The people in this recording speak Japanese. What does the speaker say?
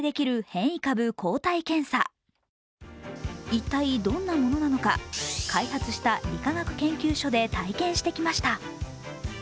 一体どんなものなのか、開発した理化学研究所で体験してきました。